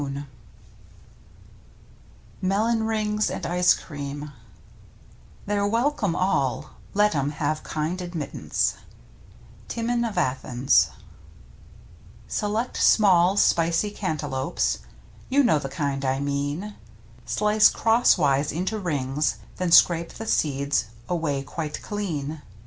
*fev 20 ^fS> i^tismtli Mtttiptn >5P MELON RINGS AND ICE CREAM They're welcome all, let 'em have kind admittance. — Timon of Athens. Select small, spicy Cantaloupes — You know the kind I mean — Slice cross wise into rings, then scrape The seeds away quite clean.